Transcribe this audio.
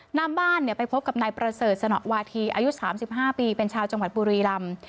หน้าบ้านไปพบกับนายประเสริฐสนวาธีอายุ๓๕ปีเป็นชาวจังหวัดบุรีรำ